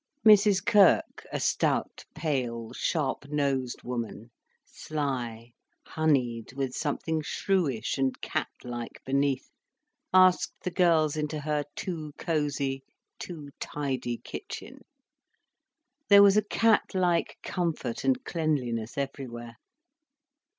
Mrs Kirk, a stout, pale, sharp nosed woman, sly, honied, with something shrewish and cat like beneath, asked the girls into her too cosy, too tidy kitchen. There was a cat like comfort and cleanliness everywhere.